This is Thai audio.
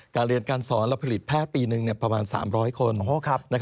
การเรียนการสอนเราผลิตแพทย์ปีหนึ่งประมาณ๓๐๐คน